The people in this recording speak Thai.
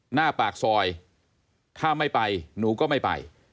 หน้าปากซอยถ้าไม่ไปหนูก็ไม่ไป